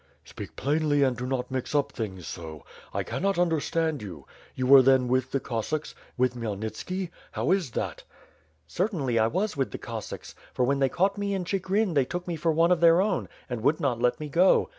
,.," "Speak plainly and do not mix up things so. I cannot un derstand you. You were then with the Cossacks? With Khmyelnitski? How is that?'' "Certainly, I was with the Cossacks; for when they caught me in Chigrin they took me for one of their own, and would not let me go.